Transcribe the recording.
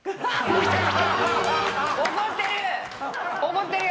怒ってる。